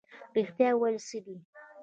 رښتیا ویل څه دي؟